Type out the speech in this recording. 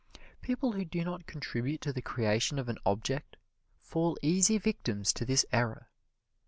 People who do not contribute to the creation of an object fall easy victims to this error.